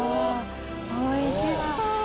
おいしそう！